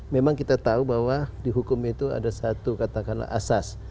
memang kita tahu bahwa di hukum itu ada satu katakanlah asas